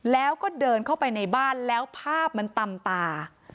แล้วก็เดินเข้าไปในบ้านแล้วภาพมันตำตา